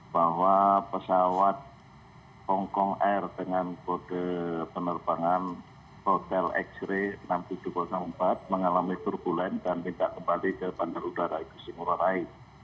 bahwa pesawat hongkong air dengan kode penerbangan hotel x ray enam ribu tujuh ratus empat mengalami turbulen dan tidak kembali ke bandara udara igusti ngurah rai